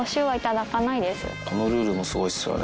このルールもすごいっすよね。